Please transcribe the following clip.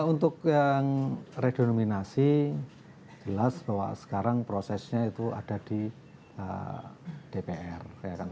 untuk yang redenominasi jelas bahwa sekarang prosesnya itu ada di dpr